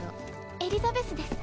エリザベスです。